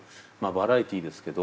バラエティーですけど。